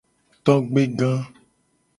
Togbega.